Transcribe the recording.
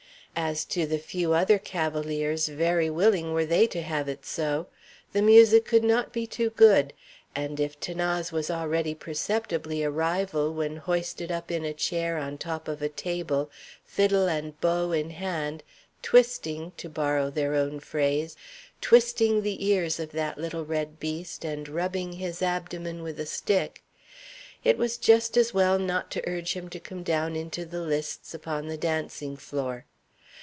As to the few other cavaliers, very willing were they to have it so. The music could not be too good, and if 'Thanase was already perceptibly a rival when hoisted up in a chair on top of a table, fiddle and bow in hand, "twisting," to borrow their own phrase "twisting the ears of that little red beast and rubbing his abdomen with a stick," it was just as well not to urge him to come down into the lists upon the dancing floor.